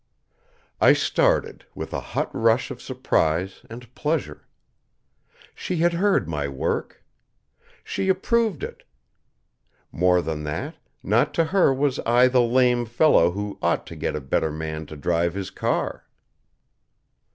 I started, with a hot rush of surprise and pleasure. She had heard my work. She approved it. More than that, not to her was I the lame fellow who ought to get a better man to drive his car!